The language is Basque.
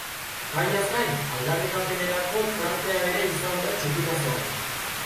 Jaiaz gain, aldarrikapenerako tartea ere izan da txupinazoan.